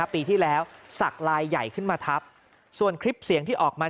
ปีที่แล้วสักลายใหญ่ขึ้นมาทับส่วนคลิปเสียงที่ออกมา